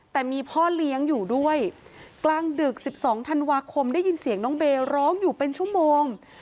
แต่มีพ่อเลี้ยงอยู่ด้วยกลางดึก๑๒ธันวาคมได้ยินเสียงน้องเบย์ร้องอยู่เป็นชั่วโมง